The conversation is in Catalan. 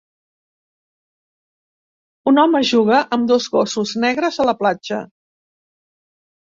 un home juga amb dos gossos negres a la platja